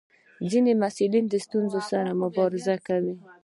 ځینې محصلین د ستونزو سره مبارزه کوي.